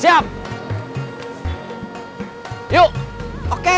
siap yuk oke